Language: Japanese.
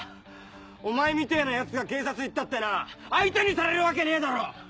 お前みてぇなヤツが警察行ったってな相手にされるわけねえだろ！